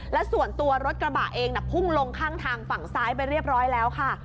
และส่วนตัวรถกระบะเองพุ่งลงข้างทางฝั่งซ้ายไปเรียบร้อยแล้วค่ะ